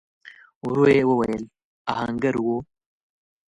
ورو يې وويل: آهنګر و؟